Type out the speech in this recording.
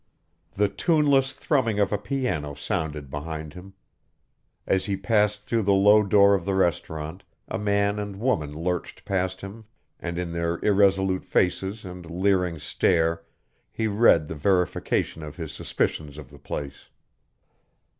The tuneless thrumming of a piano sounded behind him. As he passed through the low door of the restaurant a man and woman lurched past him and in their irresolute faces and leering stare he read the verification of his suspicions of the place.